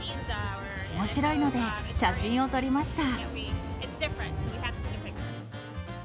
おもしろいので、写真を撮りました。